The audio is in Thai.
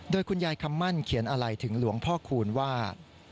โดยคุณยายคำมั่นเขียนอะไรถึงหลวงพ่อคูณว่า